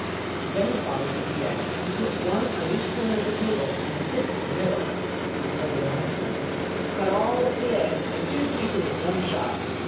Then the father took the eggs, and put one on each corner of the table, and the fifth in the middle, and said to the huntsman, 'Cut all the eggs in two pieces at one shot.